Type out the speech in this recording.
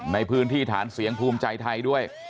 ในพื้นที่ฐานเสียงภูมิใจไทยด้วย